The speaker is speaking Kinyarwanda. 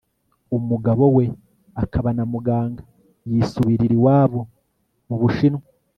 umugabo we akaba na muganga yisubirira iwabo mu b Ubushinwa